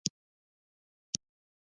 ستونزو د هغه مخه نیولې ده.